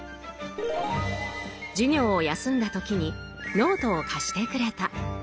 授業を休んだ時にノートを貸してくれた。